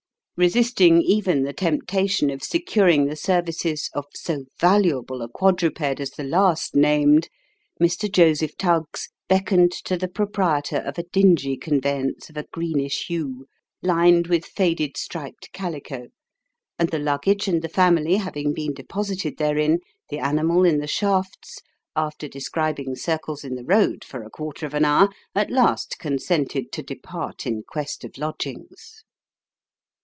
" Resisting even the temptation of securing the services of so valuable a quadruped as the last named, Mr. Joseph Tuggs beckoned to the proprietor of a dingy conveyance of a greenish hue, lined with faded striped calico ; and, the luggage and the family having been deposited therein, the animal in the shafts, after describing circles in the road for a quarter of an hour, at last consented to depart in quest ot lodgings.